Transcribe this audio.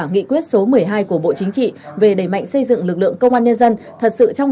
nghị quyết số một mươi hai của bộ chính trị về đẩy mạnh xây dựng lực lượng công an nhân dân thật sự trong